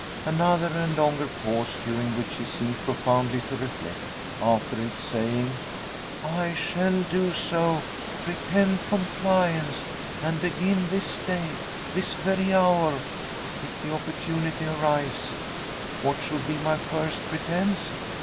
Another and longer pause, during which she seems profoundly to reflect. After it saying: "I shall do so pretend compliance. And begin this day this very hour, if the opportunity arise. What should be my first pretence?